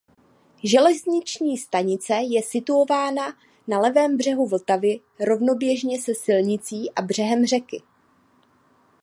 Železniční stanice je situována na levém břehu Vltavy rovnoběžně se silnicí a břehem řeky.